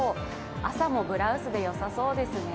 朝もブラウスでよさそうですね。